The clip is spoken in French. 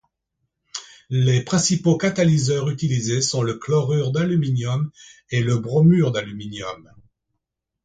Les principaux catalyseurs utilisés sont le chlorure d'aluminium et le bromure d'aluminium.